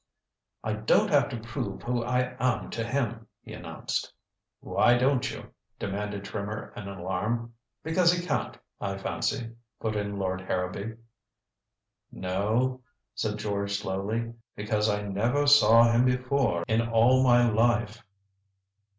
"I don't have to prove who I am to him," he announced. "Why don't you?" demanded Trimmer in alarm. "Because he can't, I fancy," put in Lord Harrowby. "No," said George slowly, "because I never saw him before in all my life."